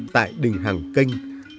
tại đình hằng kênh